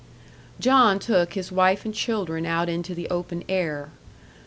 John took his wife and children out into the open air.